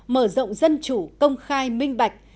mở rộng dân chủ công khai minh bạch